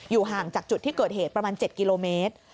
ห่างจากจุดที่เกิดเหตุประมาณ๗กิโลเมตร